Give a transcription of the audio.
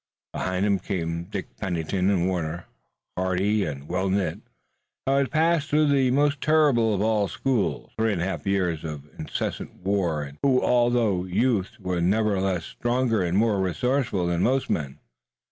Behind him came Dick, Pennington and Warner, hardy and well knit, who had passed through the most terrible of all schools, three and a half years of incessant war, and who although youths were nevertheless stronger and more resourceful than most men.